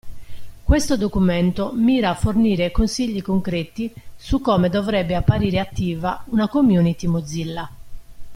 Questo documento mira a fornire consigli concreti su come dovrebbe apparire attiva una community Mozilla.